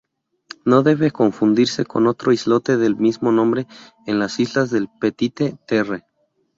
No debe confundirse con otro islote del mismo nombre en las Islas de Petite-Terre.